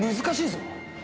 難しいぞ。